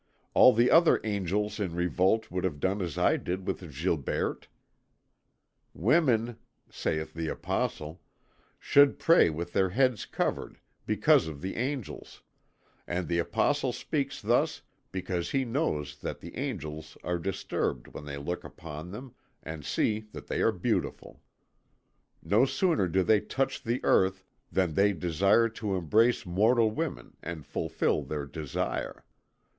"All the other angels in revolt would have done as I did with Gilberte. 'Women,' saith the Apostle, 'should pray with their heads covered, because of the angels,' and the Apostle speaks thus because he knows that the angels are disturbed when they look upon them and see that they are beautiful. No sooner do they touch the earth than they desire to embrace mortal women and fulfil their desire.